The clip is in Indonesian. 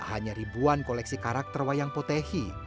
hanya ribuan koleksi karakter wayang potehi